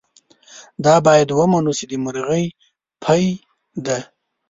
دا باید ومنو چې د مرغۍ پۍ ده.